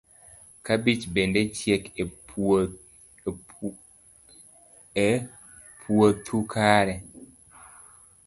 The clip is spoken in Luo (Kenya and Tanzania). kabich bende chiek e puothu kare